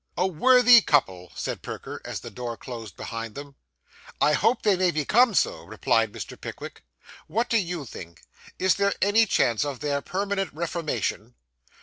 'A worthy couple!' said Perker, as the door closed behind them. 'I hope they may become so,' replied Mr. Pickwick. 'What do you think? Is there any chance of their permanent reformation?